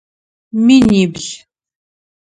Минибл.